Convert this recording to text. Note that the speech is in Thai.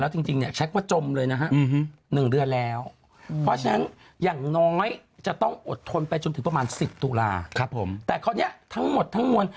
แต่ครอบนี้ทั้งหมดทั้งมวล